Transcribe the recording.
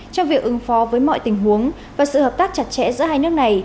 trong việc ứng phó với mọi tình huống và sự hợp tác chặt chẽ giữa hai nước này